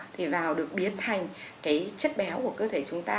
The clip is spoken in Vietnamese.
thì vào được biến thành cái chất béo của cơ thể chúng ta